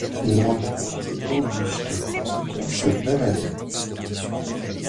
Il rencontre Auguste Comte cette même année.